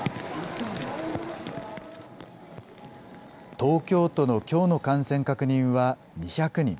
東京都のきょうの感染確認は２００人。